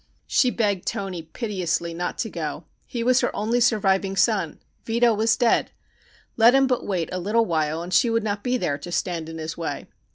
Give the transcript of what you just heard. She begged Toni piteously not to go. He was her only surviving son. Vito was dead. Let him but wait a little while and she would not be there to stand in his way.